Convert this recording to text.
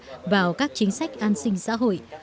và tham gia vào các chính sách an sinh xã hội